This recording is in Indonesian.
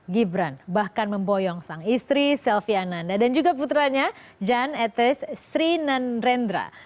gibran bahkan memboyong sang istri selvi ananda dan juga putranya jan etes sri nandrendra